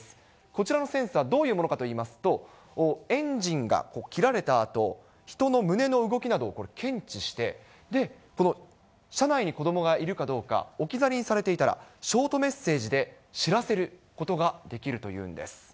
こちらのセンサー、どういうものかといいますと、エンジンが切られたあと、人の胸の動きなどを検知して、車内に子どもがいるかどうか、置き去りにされていたら、ショートメッセージで知らせることができるというんです。